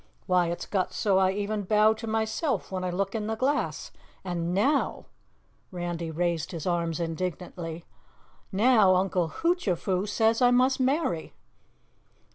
Why, it's got so I even bow to myself when I look in the glass, and NOW " Randy raised his arms indignantly. "Now Uncle Hoochafoo says I must marry."